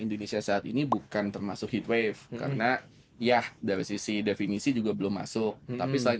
indonesia saat ini bukan termasuk heat wave karena ya dari sisi definisi juga belum masuk tapi selain